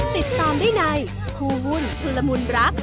สิทธิ์ตามด้วยในคู่หุ้นทุลมุนรัก